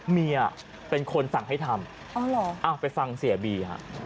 เมียเป็นคนสั่งให้ทำไปฟังเสียบีฮะ